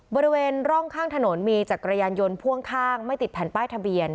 บริเวณร่องข้างถนนมีจักรยานยนต์พ่วงข้างไม่ติดแผ่นป้ายทะเบียน